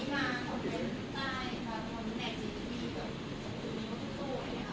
ไม่ได้ฝากเลยนะ